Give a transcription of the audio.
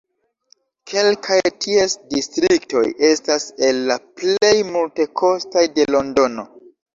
Kelkaj ties distriktoj estas el la plej multekostaj de Londono.